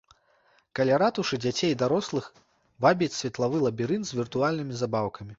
Каля ратушы дзяцей і дарослых вабіць светлавы лабірынт з віртуальнымі забаўкамі.